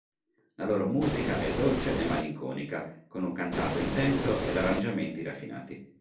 La loro musica è dolce e malinconica, con un cantato intenso ed arrangiamenti raffinati.